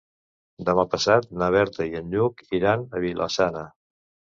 Demà passat na Berta i en Lluc iran a Vila-sana.